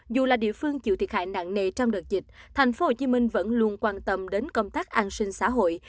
dù là địa phương chịu thiệt hại nặng nề trong đợt dịch thành phố hồ chí minh vẫn luôn quan tâm đến công tác an sinh xã hội